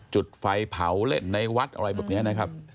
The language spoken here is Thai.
จุดไฟเผาเล่นในวัดอะไรแบบนี้นะครับ